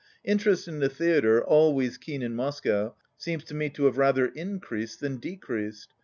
Interest in the theatre, always keen in Moscow, seems to me to have rather increased than decreased.